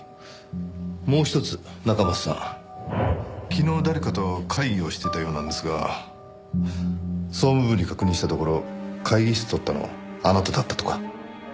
昨日誰かと会議をしていたようなんですが総務部に確認したところ会議室を取ったのあなただったとか。